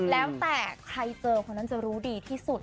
แล้วแต่ใครเจอคนนั้นจะรู้ดีที่สุด